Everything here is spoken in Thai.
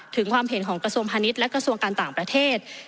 ถึงความเห็นของกระทบพนิษฐ์และกระทบการต่างประเทศ